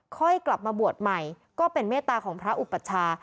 ค่อยกลับมาบวชใหม่ก็เป็นเมตตาของพระอุปัชชา